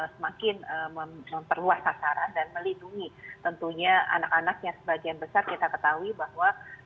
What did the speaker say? semakin memperluas sasaran dan melindungi tentunya anak anak yang sebagian besar kita ketahui bahwa